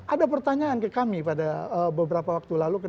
ada pertanyaan ke kami pada beberapa waktu lalu